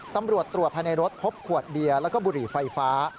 ตำรวจตรวจภายในรถพบขวดเบียร์แล้วก็บุหรี่ไฟฟ้า